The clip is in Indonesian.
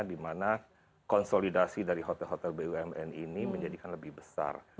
dimana konsolidasi dari hotel hotel bumn ini menjadikan lebih besar